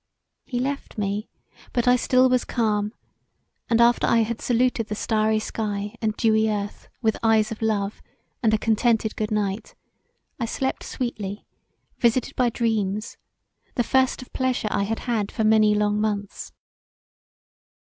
He left me but I still was calm, and after I had saluted the starry sky and dewy earth with eyes of love and a contented good night, I slept sweetly, visited by dreams, the first of pleasure I had had for many long months.